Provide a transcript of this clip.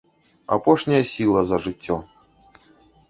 Апошняя сіла за жыццё.